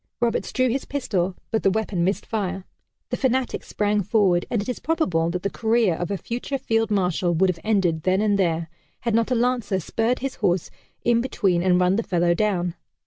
Roberts drew his pistol but the weapon missed fire. The fanatic sprang forward, and it is probable that the career of a future Field Marshal would have ended then and there, had not a lancer spurred his horse in between and run the fellow down.